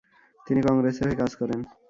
তিনি কংগ্রেসের হয়ে কাজ করেন।